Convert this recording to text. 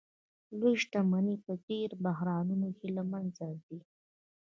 لویې شتمنۍ په دې بحرانونو کې له منځه ځي